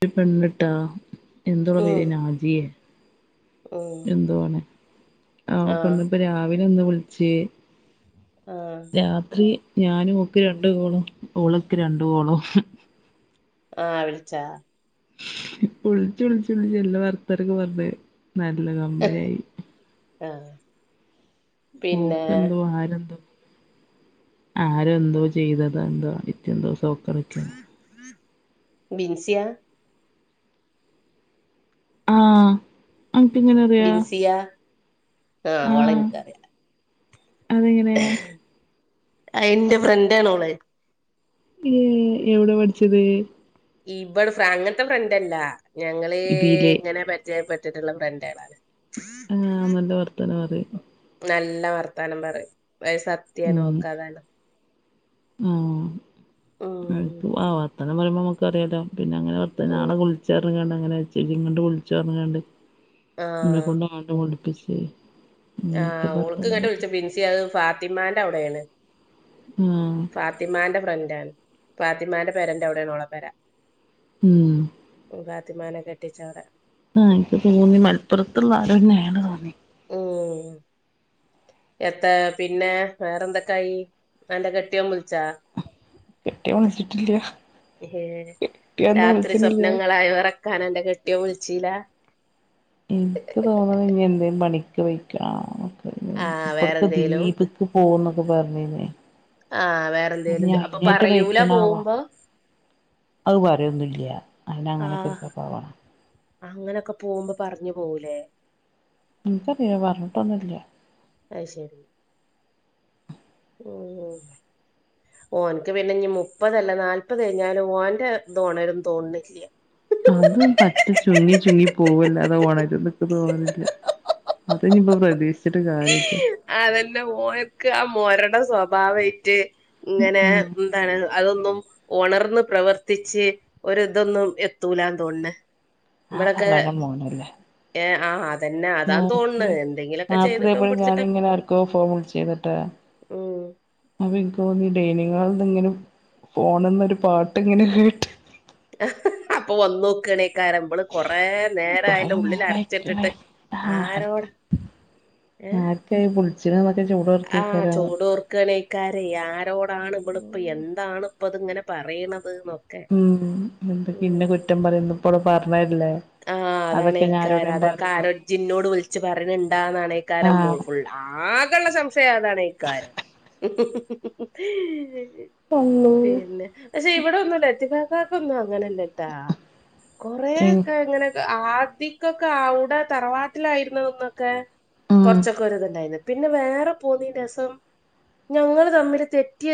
ഒരു പെണ്ണ് ട്ടോ എന്താ അവളുടെ ഉം പേര് നാജിയ ഉം എന്തോവാണ്. ആ ആഹ് പെണ്ണ് ഇപ്പ രാവിലെ ഒന്ന് വിളിച്ച്. ആഹ്. രാത്രി ഞാനും ഓക്കേ രണ്ട് കോളും ഓള് എനിക്ക് രണ്ട് കോളും. ആഹ് വിളിച്ചാ. ഇപ്പോ വിളിച്ചു വിളിച്ചു വിളിച്ചു എല്ലാ വർത്താനൊക്കെ പറഞ്ഞ് നല്ല കമ്പനിയായി. ആഹ്. പിന്നെ ഓക്ക് എന്തോ ആര് എന്തോ ആരോ എന്തോ ചെയ്തത് എന്തോ നിത്യം ദിവസം. ബിൻസിയാ. ആഹ്. ആഹ് പിന്നെ വേറെ എന്താ? ബിൻസിയ ആഹ് ഓളെ എനിക്കറിയാം. അതെങ്ങനെ എന്റെ ഫ്രണ്ട് ആണ് ഓള്. ഉം എവിടെ പഠിച്ചത്? ഇവിടെ അങ്ങനത്തെ ഫ്രണ്ട് അല്ല ഞങ്ങള് ഇതിലേ ഇങ്ങനെ പരി രിചയപ്പെട്ടിട്ടുള്ള ഫ്രണ്ട് ആണ്. ആഹ് നല്ല വർത്താനം പറയും നല്ല വർത്താനം പറയും വയ സത്യമാണ് ഉം ഓൾക്ക് അത് അറിയാം. ഉം ആ വർത്താനം പറയുമ്പോ നമുക്ക് അറിയാലോ. പിന്നെ അങ്ങനെ വർത്താനം ആളെ ഉം വിളിച്ച് പറഞ്ഞ്ങ്ങാട്ട് അങ്ങനെച്ചിങ്ങ് വിളിച്ചു പറഞ്ഞ് ങ്ങാട്ട്. എന്നെ ആഹ് കൊണ്ട് അങ്ങോട്ടും ഇങ്ങോട്ടും വിളിപ്പിച്ചു. ആഹ് ഓൾക്ക് ഇങ്ങോട്ട് വിളിച്ച് ബിൻസി അത് ഫാത്തിമാന്റെ അവിടെയാണ്. ആഹ്. ഫാത്തിമാന്റെ ഫ്രണ്ടാണ് ഫാത്തിമാന്റെ പെരേന്റെ എവിടെയാണ് ഓളുടെ പെര. ഉം. ഫാത്തിമാനെ കെട്ടിച്ചോടെ. ആഹ് എനിക്ക് തോന്നി മലപ്പുറത്തുള്ള ആരോന്നെയാണ് തോന്നി. ഉം. എത്ത പിന്നെ വേറെ എന്തൊക്കായി എന്താ അന്റെ കെട്ടിയോൻ വിളിച്ചാ? കെട്ടിയോൻ വിളിച്ചിട്ടില്ല. ഏഹ് കെട്ടിയോനൊന്നും രാത്രി വിളിച്ചിണില്ല സ്വപ്നങ്ങളായ് ഒറക്കാൻ ആയി അന്റെ കെട്ടിയോന് വിളിച്ചില്ല. എനിക്ക് തോന്നണ ഇനി എന്തേലും പണിക്ക് പോയ്ക്കാണോ [unintelligible] ആഹ് ഇപ്പഴത്തെ വേറെന്തേലും ദ്വീപ്. പോകുന്നൊക്കെ പറഞ്ഞീന്നേയ്. ആഹ് വേറെ എന്തേലും അപ്പൊ പറയൂല പൊയ്ക്ക്ണാവോ പോകുമ്പോ. അത് പറയൊന്നും ഇല്യാ അതിന് അങ്ങനെയൊക്കെ ഒരു സ്വഭാവാണ്. അങ്ങനെയൊക്കെ പോകുമ്പോ പറഞ്ഞു പോകൂലേ. [unintelligible] അ ശരി ഉ ഓൻക്ക് പിന്നെ ഇ ഞ്ഞി മുപ്പതല്ല നാല്പത് കഴിഞ്ഞാലും ഓന്റെ ത് ഒ ണ രുംതോന്നുന്നില്ല അത് പറ്റ ചുര്ങ്ങി ചുര്ങ്ങി പോവല്ലാതെ ഉണരുന്നക്ക് തോന്നില്ല അതനിപ്പോൊ പ്രതീക്ഷിച്ചിട്ട് കാര്യല്ലേ ആതന്നെ ഓൻക്ക് ആ മോരടെ സ്വഭാവമായിട്ട് ഇങ്ങനെ ഉം ഉ [unintelligible] അതൊന്നും ഉണർന്ന് പ്രവർത്തിച്ച് ഒരിതൊന്നും എത്തൂല തോന്നെ ആ ഇവിടൊക്കെ തള്ളേന്റെ മോനല്ലേ ഏ ആഹ് അതന്നെ അതാന്ന് നോക്ക് തോന്നുന്നത് എന്തെങ്കിലൊക്ക [unintelligible] ഞാനിങ്ങനെ ഏട്ക്കോ ഫോൺ വിൾ ചീനിട്ടാ ഉം അപ്പ എനിക്ക് തോന്നി ഡൈനിങ് ഹാൾന്ന് ങ്ങനെ ഫോണന്നൊരു പാട്ട് ഇങ്ങനെ കേട്ട് അപ്പൊ വന്ന് നോക്കണേക്കാരം ഓള് കൊറെ നേരെ കൊറേ അതിൻറെ ഉള്ളിൽ നേരായിക്ക്ണ് അരച്ചിട്ടിട്ട് ആഹ് ആരോട ഏ [unintelligible] ളിച്ചിന്നൊെ ചൂ ആഹ ചൂട ഓർക്ക ഗണേക്കാരെ ആരോടാണ് ഇവിളപ്പ എന്താണ് പ്പത്ങ്ങനെ പറയണത് ഉം എന്തൊക്ക ഇന്നെ ഉം കുറ്റം പറയൽ ണ്ട്പ്പോളും പറഞ്ഞതല്ലേ ആഹ് അതൊക്കെ അതാണേക്കാരം ഞാനോടെയും അതൊക്കെ ആരാ പറയും ഇജ്ജ് ഇനോട് വിളിച്ച് പറയ്ണ്ടാന്നാണേക്കാരം മു ആഹ് മുള്ള ആകുള്ള സംശയം അതാണ് ഇ കാര്ം അള്ളോ പിന്നെ പക്ഷെ ഇവിടെ ഒന്നുംലത്തി ഫ്ക്കാക്ക കൊന്നും അങ്ങനല്ലേട്ടാ കൊറ ഏഹ് ഒക്കെ എങ്ങനെ ആദ്യിക്കൊക്കെ അവിടെ തറവാട്ടിലായിരുന്ന ഒന്നൊക്കെ ഉം കൊറച്ചൊക്കെ ഒ ഇതുണ്ടായിന്ന് പിന്നെ വേറെ പോന്നീ രസം ഞങ്ങള്ൾ തമ്മില് തെറ്റി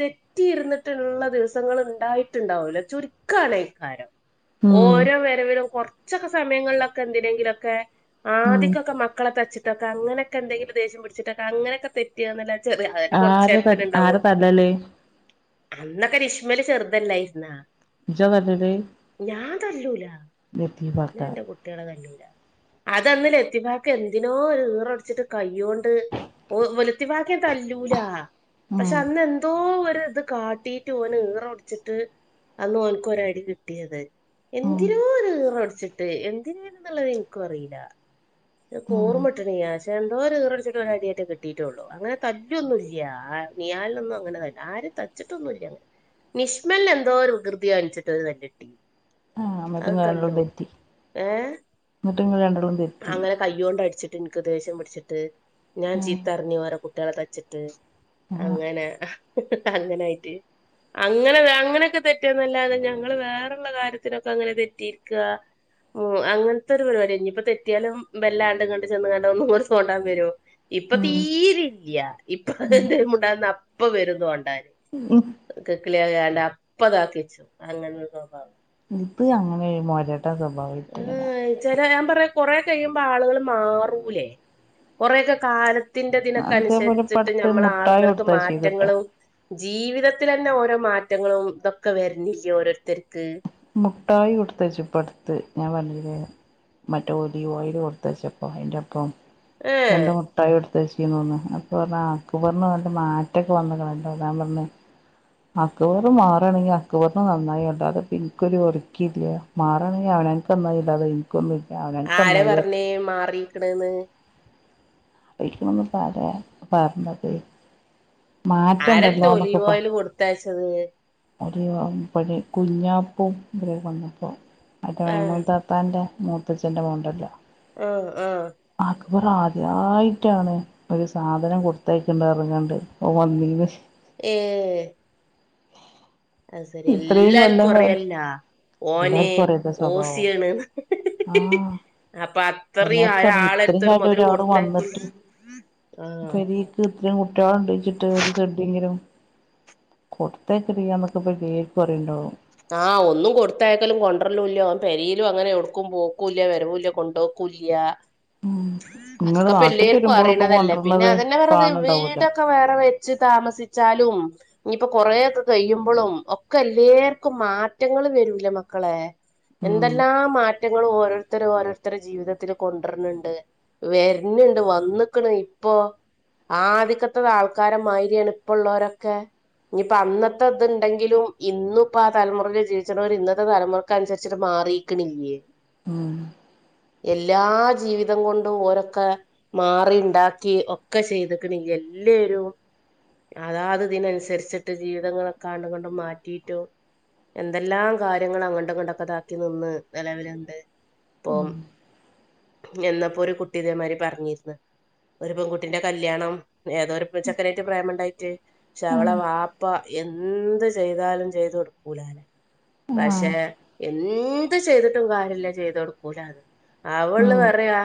തെ പറ്റിയിരുന്നിട്ടുള്ള ദിവസങ്ങൾ ഉണ്ടായിട്ടുണ്ടാവൂല ചുരുക്കാണൈക്കാരം ഉം ഓരോ വരവിലും കൊറച്ചൊക്കെ സമയങ്ങളിലൊക്കെ എന്തിനെങ്കിലൊക്കെ ഉം ആദ്യക്കൊക്കെ മക്കളെ തച്ചിട്ടക്കെ അങ്ങനൊക്കെന്തെങ്കിലും ദേശം പിടിച്ചിട്ടൊക്കെ അങ്ങനൊക്കെ ന്നല്ല ചെറിയ അതെ കൊറച്ച ആര ത നേരത്തെക്കെ ആര ഉണ്ടാവുള്ളൂ തല്ലല് അന്നൊക്കെ രിഷ്മലചെറുതല്ലയ്‌ര്ന്നോ ഇജ്ജാ തല്ലല് ഞാൻതല്ലൂല [unintelligible] ഇല്ലകുട്ട്യളെ കണ്ടില്ല അതന്നല [unintelligible] എന്തിനോ ഒരു ഈറടിച്ചിട്ട് കൈ്യൊണ്ട് ഓ വെലുത്തിവാക്കിയ തല്ലൂല പക്ഷെ ഉം അന്ന് എന്തോ ഒരു ഇത് കാട്ടി ന് ഈറ ഒടിച്ചിട്ട് അന്ന് ഓനക്ക് ഒരടി കിട്ടിയത് ഉം എന്തിനോ ഈറോടിച്ചിട്ട് എന്തിനായി എന്നുള്ളത് എനിക്കും അറിയില്ല ഉം കൂർമുട്ടണീ പക്ഷെ എന്തോര ീററിടിച്ചിട്ട വനാട ആായിട്ട കിട്ടിയിട്ടുള്ളു അങ്ങനെ തല്ലൊന്നുംല്ല ആ നിയാലിനൊന്നും അങ്ങനെ ത ആരും തച്ചിട്ടൊന്നുംല്ല അങ്ങനെ നിഷ്മൽ എന്തോ ഒരു വികൃതിയാണിച്ചിട്ട് ഒരു തല്ല്ട്ടി നട്ടങ്ങ രണ്ടെോം തെറ്റത്തി ഏഹ് നിട്ടുംങ്ങ രണ്ടെള്ളം തെറ്റി അങ്ങനെ കയ്യൊണ്ട് അടിച്ചിട്ട് ഇൻ ക്ക് ദേഷ്യം പിടിച്ചിട്ട് ഞാൻ ഉം ചീത്തറിഞ് വേ റെ കുട്ട്യാ ളെ തച്ചിട്ട് ആഹ് അങ്ങനെ അങ്ങനായിട്ട് അങ്ങനെ അങ്ങനക്കെ തെറ്റന്നല്ലാതെ ഞങ്ങള് വേറള്ള കാര്യത്തിനൊക്കെ അങ്ങനെ തെറ്റിയിരിക ഉ അങ്ങനത്തെ ഒരു പരിവാ ടി ഇനിയിപ്പൊ തെ തെറ്റി ലും വെല്ലാണ്ട് കണ്ട് ചെന്ന് ഒന്നും കൂടി തോണ്ടാൻ വരും ഇപ്പൊ ഉം തീരില്ല്യാ ഇപ്പൊ എന്തെങ്കിലും മു ണ്ടാതന്ന അപ്പ വരു തോണ്ടാന് ഉ കി ക്കിളിയയാ ണ്ട് അപ്പതാക്കിച്ചു അങ്ങനെസ്വഭാവ ഇത് അങ്ങനെ ഒരു മോര സ്വഭാവ ഹ് ആയി ചില ഞാൻ പറയാ കൊറേ കയുമ്പോ ആളുകള് മാറൂലേ കൊറെക്കെ കാലത്ത് ത്തിന്റെ ദിനൊക്ക അതേപോലെ ഇപ്പ അനുസരിച്ചിട്ട് അടുത്ത് നമ്മളെ മുട്ടായി ആളുകൾക്ക് കൊടുത്തയച്ചീന്നുട്ടോ മാറ്റങ്ങളും ജീവിതത്തിലെന്നെ ഓരോ മാറ്റങ്ങളും ഇതൊക്കെ വരുന്നില്ലേ ഓരോരുത്തർക്ക് മുട്ടായി കൊടുത്തയ്ച്ചു ഇപ്പ അടുത്ത് ഞാൻ പറഞ്ഞില്ലേ മറ്റ ഒലിവോയില് കൊടുത്തച്ചപ്പോ അയിന്റെപ്പം രണ്ട് ഏഹ് മിട്ടായി കൊടുത്താച്ചീ ന്നു ന്ന്അപ്പൊ അക്ബറിന്നല്ല മാറ്റൊക്കെ വന്ന്ക്നല്ലോ ഞാൻ പറഞ്ഞു അക്ബറ്മാറാണെങ്കിൽ അക്കബറിന് നന്നായിട്ട അത് പി- ഇക്ക് ഒരലക്കിയില്ല മാറാണെങ്കിൽ അവനനക്ക്ന്നായി എനിക്കൊന്നുല്ല അവനാൻക്ക്ന്നായി ഏഹ് മാറിക്ക്ണ്ന്ന് വെയ്ക്ക്ണ്ന്ന് പറിയാ പർഞ്ഞത് ആരെട്ത്ത ഒലിവ് മാറ്റണ്ടല്ലോന്നൊക്കപ്പ ഓയില് കൊടുത്തയച്ചത് ഒരു കുഞ്ഞാപ്പൂ വന്നപ്പോ അത് മൈമൂന ആഹ് താത്ത പ്പാൻ്റെ മൂത്തച്ഛൻ്റെ മോണ്ടല്ലോ ആഹ് ആഹ് അക്ബർ ആദ്യയാ ആയിട്ടാണ് ഒരു സാധനം കൊടുത്തയക്കണ്ട് അറിഞ്ഞകാണ്ട് ഓൻ വന്നീന ഏഹ് അഹ് ശരി ഇത്രയും എല്ലാർക്കും കൊല്ലം അറിയായ് ഓന് എല്ലാർക്കും അറിയാത്ത സ്വഭാവോ ഓസിയണ്ന്ന് ആഹ് എല്ലാർക്കും അറി ഇത്ര ഒരാളെട്ത്തൊരു മൊതല് അവിടെ കൊടുത്തയക്കൂല വന്നിട്ട് ആഹ് പെരിക്ക് ഇക് ഇത്ര കുട്ടിയാള്ണ്ട്ച്ചിട്ട് ഒരു സെഡിയെങ്കിലും കൊടുത്തേക്ക്നില്ല ന്ന് പ്പോ എല്ലാർക്കും അറിയല്ലോ ആഹ് ഒന്നും കൊടുത്തായക്കലും കൊണ്ടര് ലുല്ലാ ഓൻ പെരിലും അങ്ങനെ എടുക്കും പോക്കൂല്ല വരവൂല്ല കൊണ്ടവും കുല്ല്യാ ഉം ഇങ്ങള് അതൊക്കെ നാട്ട്ക്ക് പിള്ളേർക്കും വരുമ്പളും ഇപ്പൊ അറിണതല്ലേ പിന്നെ കൊണ്ടര്ണത് അതന്നെ പറഞ്ഞത് കാണണ്ടാവല്ലോ വീടൊ കുറെ വെച്ച് താമസിച്ചാലും ഇന്നിപ്പൊ കൊറേക്കെ കഴിയുമ്പളും ഒക്കെ ഇല്ലേ ഒക്കെ മാറ്റങ്ങള് വരൂല്ല മക്കളെ ഉം എന്തെല്ലാം മാറ്റ റ്റങ്ങൾ ഓരോരുത്തര് ഓരോരുത്തരെ ജീവിതത്തിൽ കൊണ്ടര്ൺണ്ട് വെരിണിണ്ട് വന്ന്ക്ണ് ഇപ്പൊ ആദികത്തത് ആൾക്കാരമാരിയാണ് ഇപ്പള്ളോരൊക്കെ ഞ്ഞിപ്പ അന്നത്തെ ഇത്ണ്ടെങ്കിലും ഇന്നും ഇപ്പൊ ആഹ് തലമുറക്ക് ജീവിച്ച് ണോല് ഇന്നത്തെ തലമുറക്ക് അനുസരിച്ചിട്ട് മാറിക്ക്ണില്ലേ ആഹ് എല്ലാ ജീവിതം കൊണ്ടും ഓലൊക്കെ മാറി ഇണ്ടാക്കി ഒക്കെ ചെയ്ത്ക്ണ് ല്ലേ എല്ലേരും അതാ അത് ഇതിനനുസരിച്ചിട്ട് ജീവിതങ്ങളൊക്കൊ അങ്ങണ്ടും ഇങ്ങണ്ടും മാറ്റീട്ടും എന്തെല്ലാം കാര്യങ്ങൾ അങ്ങണ്ട് ഇ ങ്ങണ്ടൊക്കെതാക്കി നിന്ന് നിലവില്ണ്ട് ഇപ്പം എന്നപ്പോ ഒരു കുട്ടി ഇതേമാരി പറഞ്ഞിന്ന് ഒരു പെൺകുട്ടിന്റെ കല്ല്യാ ണം ഏതോ ഒരു ചെക്കനേറ്റ് പ്രേമണ്ടായിട്ട് പക്ഷെ അവള ആഹ് വാപ്പ എന്ത് ചെയ്താലും ചെയ്ത് കൊടുക്കൂലല്ലെ പക്ഷെ ആഹ് എന്തു ചെയ്തിട്ടും കാര്യല്ല ചെയ്തോടുക്കൂല അത് അവള് ഉം പറയാ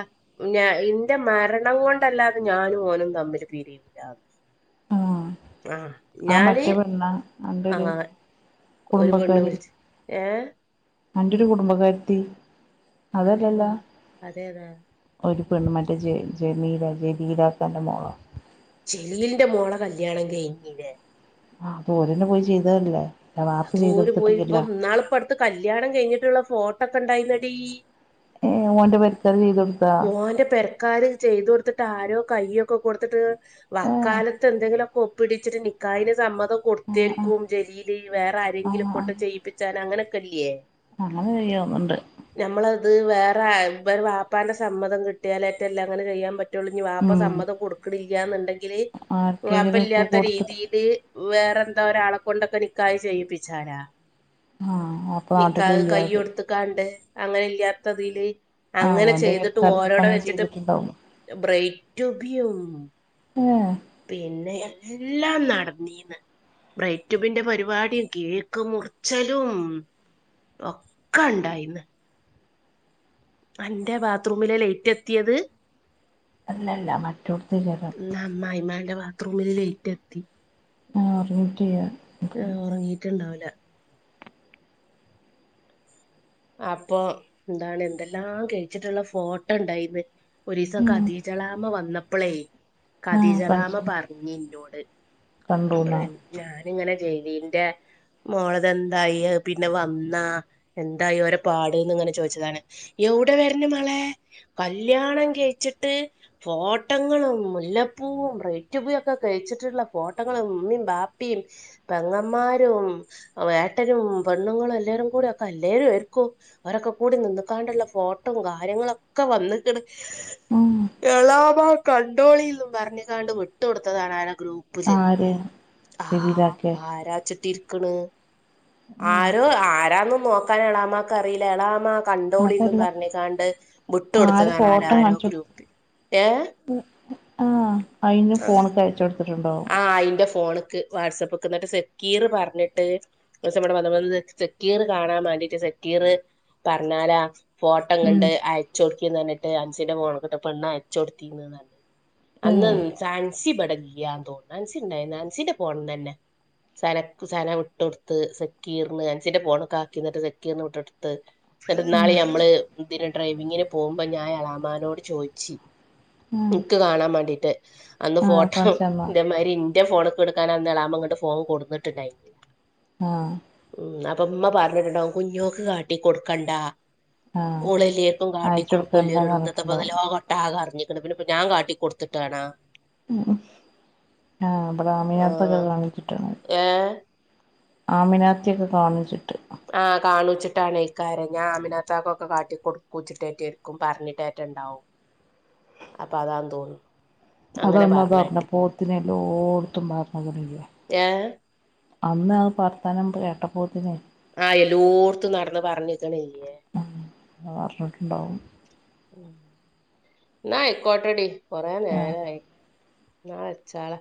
ഞ ഇന്റെ മരണം കൊണ്ടല്ലാതെ ഞാനും ഓനും തമ്പിൽ പിരിയൂല ആഹ് ആഹ് ഞാന് മറ്റേ പറണ എന്റെ ഒരു ആഹ് ഒരു പെണ്ണ് കുടുംബക്കാരി വിളിച്ച് ഏഹ് അന്റൊരു കുടുംബകാര്ത്തി അതേതാ അതല്ലല്ലോ അതേതാ ഒരു പെണ്മൻറ്ററ്റ് ജ ജമീല ജെമീലാത്താൻ്റെ മോളോ ചെലീലിന്റെ മോള കല്യാണം കഴിഞ്ഞീലേ ആഹ് അത് ഓര തന്നെ പോയി ചെയ്തല്ലേ അതോരു പോയി ഇപ്പൊ നാളിപ്പ അടുത്ത് കല്യാണം കഴിഞ്ഞിട്ടുള്ള ഫോട്ടോ ഒക്കെ ഉണ്ടായിര്ന്നടീ ഏഹ് ഓന്റെ പരുത്താർ ചെയ്തതുണ്ട് ഓന്റെ പെരക്കാര് ചെയ്ത് കൊടുത്തിട്ട് ആരോ കയ്യൊ ഒക്കെ കൊടുത്തിട്ട് ഏ വക്കാലത്ത് എന്തെങ്കിലൊക്കെ ഒപ്പിടിച്ചിട്ട് നിക്കായിന് സമ്മ [unintelligible] ആ ആ കൊടുത്തേരിക്കും ജലീലേ ആ വേറാരെങ്കിലും കൊണ്ട് ചെയ്യിപ്പിച്ചാലങ്ങനക്കെയില്ല്യേ ആഹ് അത് ചെയ്യാവന്നുണ്ട് ഞമ്മളത് വേറെ [unintelligible] വാപ്പാന്റെ സമ്മതം കിട്ടിയാലായിറ്റല്ലാം ങ്ങനെ ചെയ്യാപ [unintelligible] വാപ്പ ഉം സമ്മതം കൊടുക്കണില്ല്യന്നുണ്ടെങ്കില് വാപ്പ ആർക്കെങ്കിലും ഒക്കെ ഇല്യാത്ത കൊടുത്തിട്ട് [unintelligible] വേറെന്തൊരാളെ കൊണ്ടൊക്കെ നിക്കാഹ് ചെയ്യിപ്പിച്ചാലാ ആ അപ്പൊ നിക്കാഹ് നാട്ടിലില്ല അത് കയൊടുത്ത്ക്കാണ്ട് അങ്ങനെ ഇല്യാത്തതില് ആ അങ്ങനെ [unintelligible] ഓന്റെ ചെയ്തിട്ട് പെരക്കാര് ചെലപ്പോ ഓരോടെ അങ്ങനെ വെച്ചിട്ട് ചെയ്തിട്ടുണ്ടാവും [unintelligible] ഏ പിന്നെയെല്ലാം നടത്തീന്ന് ബ്രൈറ്റുബിന്റെ പരിപാടി കേക്ക് മുറിച്ചലും ഒക്കണ്ടായിന്ന് അന്റെ ബാത്റൂമിലെ ലൈറ്റത്തിയത് അല്ലല്ല മറ്റൊടുത്ത് ജരം [unintelligible] അമ്മായിമ്മെന്റെ ബാത്റൂമില് ലെയ്റ്റ് കത്തി [unintelligible] ആഹ് ഒറങ്ങിയി ണ്ടാവില്ല അപ്പൊ ന്താണ് എന്തെല്ലാം കഴിച്ചിട്ടുള്ള ഫോട്ടോണ്ടായിന്ന് ഒരീസം ഉം [unintelligible] എളാമ വന്നപ്പളേ ആ ഖദീജളാമ ഫങ്ഷൻ പറഞ്ഞിന്നോട് കണ്ടൂന്നാ [unintelligible] ഞാനിങ്ങനെ ജലീൻ്റെ മോളതെന്തായി പിന്നെ വന്നാ [unintelligible] ഓരോ പാട്ന്ന് ങ്ങനെ ചോയിച്ചതാണ് എവുടെ വെരണ് മളേ കല്യാണം കയിച്ചിട്ട് ഫോട്ടങ്ങളും മുല്ലപ്പൂവും [unintelligible] ഒക്കെ കഴിച്ചിട്ടുള്ള ഫോട്ടങ്ങളും ഉമ്മേം ബാപ്പേം പെങ്ങമ്മാരും [unintelligible] ഏട്ടരും പെണ്ണുങ്ങളും എല്ലേരും കൂടെക്കെ [unintelligible] [unintelligible] അരൊക്കെ കൂടി നിന്നക്കാണ്ടുള്ള ഫോട്ടവും കാര്യങ്ങളൊക്കെ വന്ന് ഉം എളാമ്മ കണ്ടോളിന്നുംപറഞ്ഞിക്കാണ്ട് വിട്ടുകൊടുത്തതാണ് [unintelligible] ആര് [unintelligible] ആ ജലീലാക്കെ ആരാച്ചട്ടില് ഉം ആരോആരാന്ന്നോക്കാ നെളാമാക്കറിയില്ല എളാമാ കണ്ടോളിന്നും അതല്ല പറഞ്ഞികാണ്ട് വുട്ട് ആര് കൊടുത്തതാണ് ഫോട്ടോ ആരാരോ കാണിച്ചു കൊടുത്ത് ഗ്രൂപ്പില് ആഹ് അയിന് ഫോണൊക്കെ അയച്ചൊടുത്തിട്ടുണ്ടോ ആഹ് അയിന്റെ ഫോണ്ക്ക് വാട്സഅപ്പ്ക്കെ ന്നിട്ട് സെക്കീർ പർഞ്ഞിട്ട് ഒരുസം ഇവടെ വന്നപ്പ [unintelligible] സെക്കീറ് കാണാവാണ്ടീട്ട് സെക്കീറ് പറഞ്ഞാരാ ഫോട്ടം ഉം കണ്ട് അയച്ചൊടുക്കിന്ന്പർന്നിട്ട് അൻസിന്റെ ഫോണുക്കിട്ട് പെണ്ണയച്ചുകൊടുത്തിന്ന് [unintelligible] അന്ന് ഏഹ് അൻസി ഇവടെയില്ല്യാന്ന്തോന്നുന്ന് അൻസിണ്ടായിന്നാ അൻസിന്റെ ഫോണിന്നന്നെ സനക്ക് സന വിട്ടൊടുത്ത് സക്കീർന് അൻസീന്റെ ഫോണൊക്കാക്കിന്നർഞ്ഞിട്ട് സക്കീർന് വിട്ടൊടുത്ത് ഉം [unintelligible] ഞമ്മള് [unintelligible] ഡ്രൈവിങ്ങിന് പോകുമ്പോ ഞാ എളാമ്മാനോട് ചോയിച്ച് ആഹ് നിക്ക് കാണാമാണ്ടീട്ട് അന്ന് ആഹ് ഫോട്ടം കാണിച്ചന്നാ അതെമാരി ഇന്റെ ഫോണൊക്കെടുക്കാനാന്ന് എളാമ്മങ്ങട്ട്ഫോൺകൊടുന്നട്ടുണ്ടായി ആഹ് ഉം അപ്പംമ്മ പറഞ്ഞിട്ടുണ്ടാവും കുഞ്ഞോക്ക്‌ കാട്ടി കൊടുക്കണ്ട ആഹ് ഓളല്ലേര്ക്കും കാട്ടി അയച്ചു കൊടുക്കണ്ടാന്ന് കൊട്ക്കുംല്ലോരോടും പറഞ്ഞിട്ടുണ്ടാവും ന്ത്‌ത്താപ്പതല്ലാ ട്ടാകറിഞ്ഞിക്ക്‌ണ് പിന്ന ഇപ്പ ഞാ കാട്ടിക്കൊടുത്തിട്ടാണാ ഉഹും ആ ഇബടെ ആമിനാത്തൊക്കെ ആഹ് കാണിച്ചിട്ടാണ് ഏഹ് ആമിനാത്തിയൊക്കെ കാണിച്ചിട്ട് ആഹ് കാണൂച്ചിട്ടാണയ്ക്കാരം ഞാ ആമിനാത്താക്കൊക്കെ കാട്ടി കൊടുക്കൂച്ചിട്ടേറ്റേര്ക്കും പറഞ്ഞിട്ടേറ്റണ്ടാവും അപ്പതാന്ന് തോന്നും അതന്നാ പറഞ്ഞ പോത്തിനെ എല്ലോട്ത്തും പറഞ്ഞതല്ലേ ഏഹ് അന്ന് അത് പർത്താനം കേട്ട പോത്തിനെ ആയല്ലോട്ത്തും നടന്ന് പറഞ്ഞിക്കണല്ലേ ആഹ് അറിഞ്ഞിട്ടുണ്ടാവും ഉം എന്നായിക്കോട്ടടി കൊറെ ആഹ് നേരായി എന്നാ വെച്ചാള